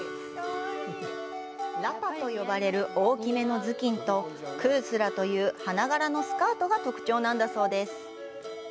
「ラパ」と呼ばれる大きめの頭巾と「クースラ」という花柄のスカートが特徴なんだそうです。